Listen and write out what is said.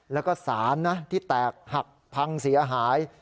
แล้วก็สารนะที่แตกหักพังเสียหาย